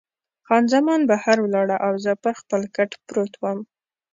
خان زمان بهر ولاړه او زه پر خپل کټ پروت وم.